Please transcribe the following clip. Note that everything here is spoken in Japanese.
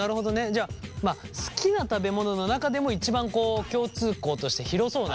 じゃあまあ好きな食べ物の中でも一番共通項として広そうな。